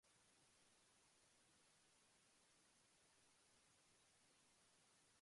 Wireless drill, battery-powered drill, rechargeable drill, cordless tool.